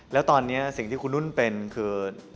แล้วตอนนี้สิ่งที่คุณนุ่นเป็นคือ